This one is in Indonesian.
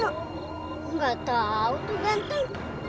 enggak tahu tuh bantul